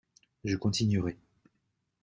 Je continuerai